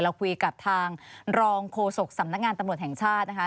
เราคุยกับทางรองโฆษกสำนักงานตำรวจแห่งชาตินะคะ